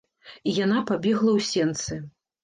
І яна пабегла ў сенцы.